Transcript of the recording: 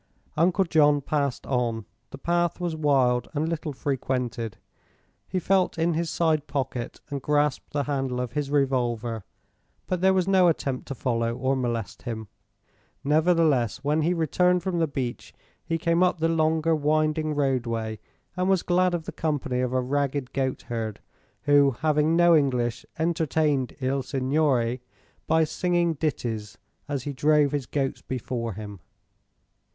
Uncle John passed on. The path was wild and little frequented. He felt in his side pocket and grasped the handle of his revolver; but there was no attempt to follow or molest him. Nevertheless, when he returned from the beach he came up the longer winding roadway and was glad of the company of a ragged goatherd who, having no English, entertained "Il Signore" by singing ditties as he drove his goats before him.